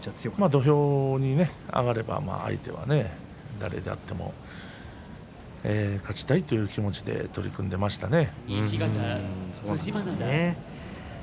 土俵に上がればね相手は誰であっても勝ちたいという気持ちで取り組んでいましたね。